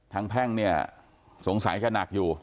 แพ่งเนี่ยสงสัยจะหนักอยู่